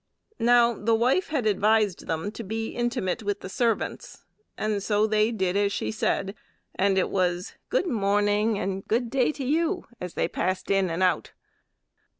Now the wife had advised them to be intimate with the servants, and so they did as she said, and it was "Good morning" and "Good day to you" as they passed in and out.